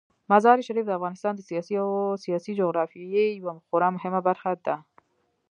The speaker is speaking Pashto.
مزارشریف د افغانستان د سیاسي جغرافیې یوه خورا مهمه برخه ده.